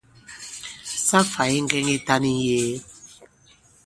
Sa fày ŋgɛŋ yitan yi ŋ̀yee.